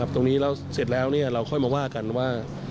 ตรงนี้แล้วเสร็จแล้วเราค่อยมาว่ากันว่า